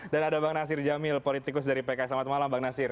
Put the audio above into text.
dan ada bang nasir jamil politikus dari pk selamat malam bang nasir